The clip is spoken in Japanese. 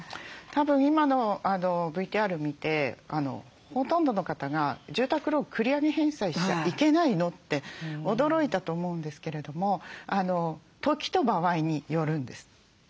たぶん今のＶＴＲ見てほとんどの方が住宅ローン繰り上げ返済しちゃいけないの？って驚いたと思うんですけれども時と場合によるんです。